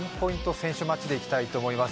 先取マッチでいきたいと思います